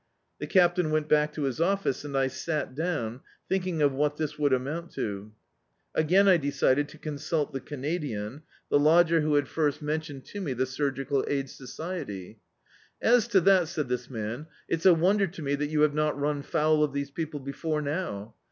The Captain went back to his office, and I sat down, thinking of what this would amount to. Again I decided to consult die Canadian, the lodger who had first men D,i.,.db, Google The Autobiography of a Super Tramp tioned to me the Surgical Aid Society. "As to that," said this man, "it's a wonder to me that you have not nin foul of these people before now.